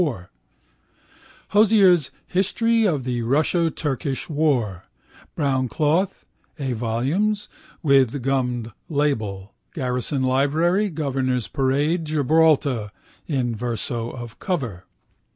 Hozier's History of the Russo Turkish War (brown cloth, 2 volumes, with gummed label, Garrison Library, Governor's Parade, Gibraltar, on verso of cover).